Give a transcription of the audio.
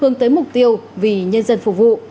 hướng tới mục tiêu vì nhân dân phục vụ